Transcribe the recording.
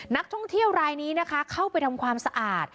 นักท่องเที่ยวรายนี้นะคะเข้าไปทำความสะอาด